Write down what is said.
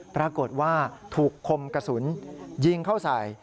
ปรากฏว่าถูกคมกระสุนยิงเข้าใส่